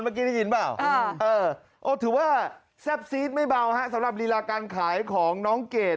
เมื่อกี้ได้ยินเปล่าโอ้ถือว่าแซ่บซีดไม่เบาฮะสำหรับรีลาการขายของน้องเกด